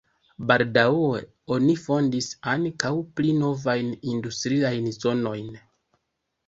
Baldaŭe oni fondis ankaŭ pli novajn industriajn zonojn.